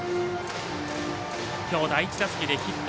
きょう第１打席でヒット。